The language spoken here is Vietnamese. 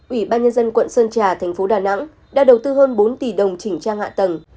ủy ban nhân dân quận sơn trà thành phố đà nẵng đã đầu tư hơn bốn tỷ đồng chỉnh trang hạ tầng